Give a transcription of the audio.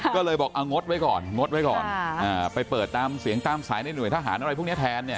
ก็เลยบอกเอางดไว้ก่อนงดไว้ก่อนไปเปิดตามเสียงตามสายในหน่วยทหารอะไรพวกนี้แทนเนี่ย